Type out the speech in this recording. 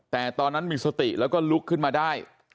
แต่ตอนนั้นมีสติแล้วก็ลุกขึ้นมาได้